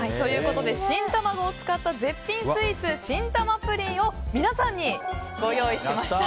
しんたまごを使った絶品スイーツしんたまプリンを皆さんにご用意しました。